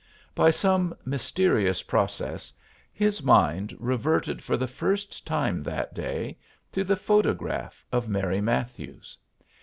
By some mysterious process his mind reverted for the first time that day to the photograph of Mary Matthews.